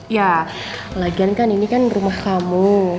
ya lagian kan ini kan rumah kamu